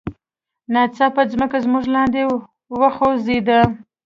ناڅاپه ځمکه زموږ لاندې وخوزیده.